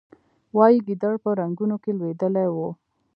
وایي ګیدړ په رنګونو کې لوېدلی و.